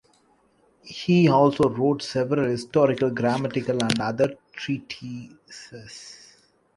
He also wrote several historical, grammatical, and other treatises.